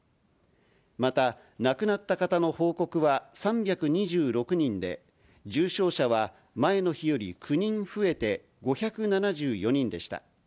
また亡くなった方の報告は３２６人で、重症者は前の日より９人増えて５７４人でした。